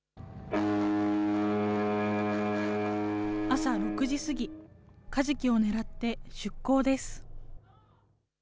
朝６時過ぎ、カジキをねらって出航です。